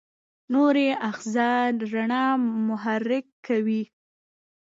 نوري آخذه رڼا محرک کوي.